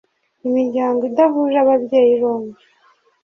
Imiryango idahuje ababyeyi bombi